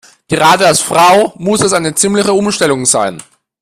Gerade als Frau muss das eine ziemliche Umstellung sein.